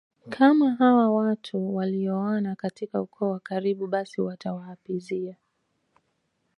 kama hawa watu walioana katika ukoo wa karibu basi watawaapizia